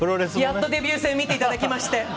やっとデビュー戦見ていただきまして。